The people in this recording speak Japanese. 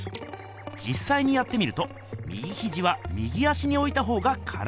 じっさいにやってみると右ひじは右足においたほうが体は楽。